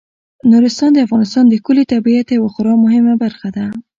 نورستان د افغانستان د ښکلي طبیعت یوه خورا مهمه برخه ده.